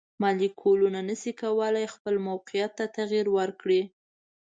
مالیکولونه نشي کولی خپل موقیعت ته تغیر ورکړي.